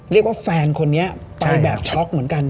เรียกว่าแฟนคนนี้ไปแบบช็อกเหมือนกัน